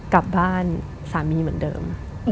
กลับบ้านสามีเหมือนเดิม